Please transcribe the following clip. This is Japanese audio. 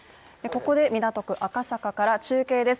港区赤坂から中継です。